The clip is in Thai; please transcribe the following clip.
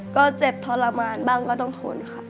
ก็เจ็บทรมานบ้างก็ต้องทนค่ะ